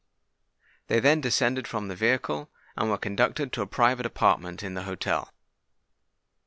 They then descended from the vehicle, and were conducted to a private apartment in the hotel.